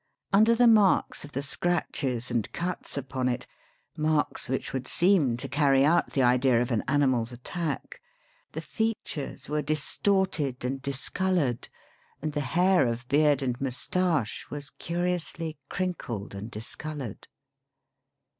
Under the marks of the scratches and cuts upon it marks which would seem to carry out the idea of an animal's attack the features were distorted and discoloured, and the hair of beard and moustache was curiously crinkled and discoloured.